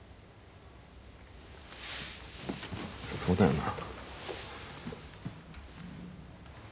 そうだよな。